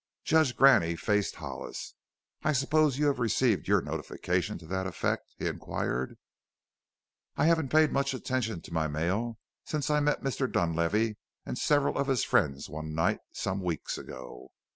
Judge Graney faced Hollis. "I suppose you have received your notification to that effect?" he inquired. "I haven't paid much attention to my mail since since I met Mr. Dunlavey and several of his friends one night some weeks ago."